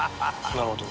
なるほど。